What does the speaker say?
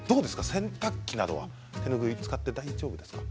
洗濯機などは手ぬぐいを使って大丈夫ですか。